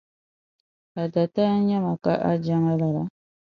A dataa nye ma k' a je ma lala?